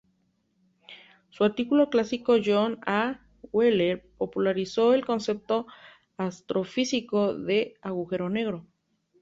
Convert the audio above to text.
Su artículo clásico con John A. Wheeler popularizó el concepto astrofísico de agujero negro.